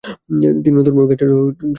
তিনি নতুনভাবে জ্ঞানচর্চায় মনোনিবেশ করেন।